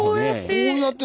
こうやって。